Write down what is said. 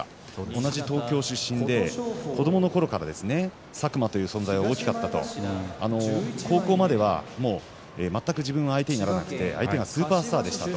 同じ東京出身で子どものころから佐久間という存在が大きかったと高校までは全く自分は相手にならなくて相手はスーパースターでした。